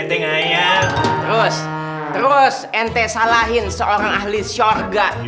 terus terus ente salahin seorang ahli shorga